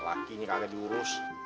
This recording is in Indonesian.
orang eram malam itu